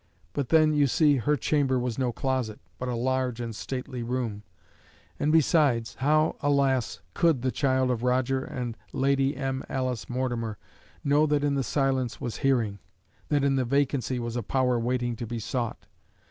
But, then, you see, her chamber was no closet, but a large and stately room; and, besides, how, alas! could the child of Roger and Lady M. Alice Mortimer know that in the silence was hearing that in the vacancy was a power waiting to be sought?